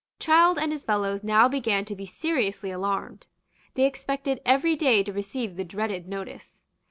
Child and his fellows now began to be seriously alarmed. They expected every day to receive the dreaded notice.